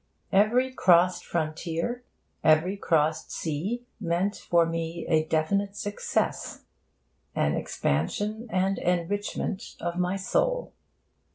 Every crossed frontier, every crossed sea, meant for me a definite success an expansion and enrichment of my soul.